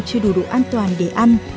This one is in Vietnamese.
chưa đủ đủ an toàn để ăn